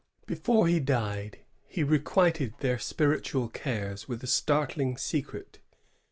Before he died, he requited their spiritual cares with a startling secret.